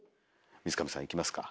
水上さんいきますか。